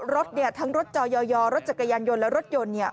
รถเนี่ยทั้งรถจอยอยอรถจักรยานยนต์และรถยนต์เนี่ย